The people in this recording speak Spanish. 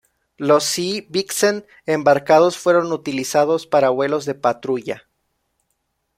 Los Sea Vixen embarcados fueron utilizados para vuelos de patrulla.